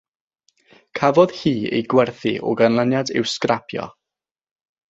Cafodd hi ei gwerthu o ganlyniad i'w sgrapio.